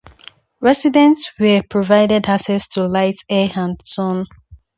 Residents were provided access to light, air, and sun.